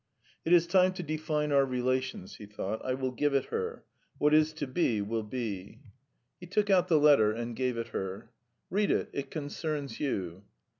"It is time to define our relations," he thought. "I will give it her; what is to be will be." He took out the letter and gave it her. "Read it. It concerns you."